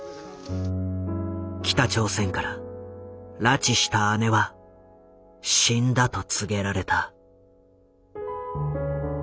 北朝鮮から「拉致した姉は死んだ」と告げられた。